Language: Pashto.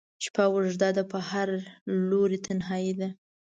شپه اوږده ده په هر لوري تنهایي ده